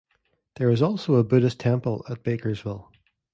There is also a Buddhist temple, at Bakersville.